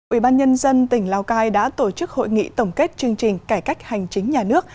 ủy ban nhân dân tỉnh lào cai đã tổ chức hội nghị tổng kết chương trình cải cách hành chính nhà nước